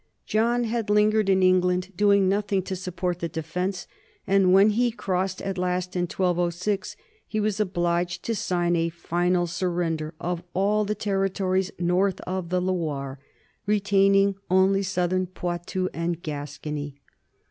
John had lingered in England, doing nothing to support the defense, and when he crossed at last in 1206 he was obliged to sign a final surrender of all the territories north of the Loire, retaining only southern Poitou and Gascony.